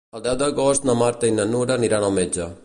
El deu d'agost na Marta i na Nura aniran al metge.